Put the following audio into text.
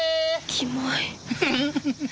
キモい。